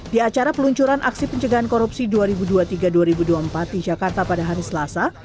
di acara peluncuran aksi pencegahan korupsi dua ribu dua puluh tiga dua ribu dua puluh empat di jakarta pada hari selasa